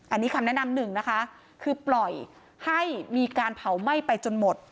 อันนี้คำแนะนำหนึ่งนะคะคือปล่อยให้มีการเผาไหม้ไปจนหมด